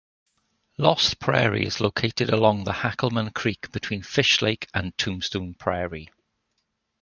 Lost Prairie is located along Hackleman Creek between Fish Lake and Tombstone Prairie.